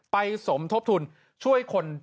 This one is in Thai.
สมทบทุนช่วยคน